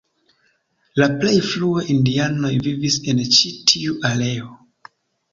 La plej frue indianoj vivis en ĉi tiu areo.